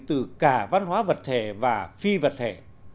từ cả văn hóa vật thể và phi vật thể